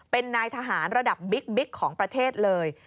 เป็นนายทหารระดับบิ๊กของประเทศเลย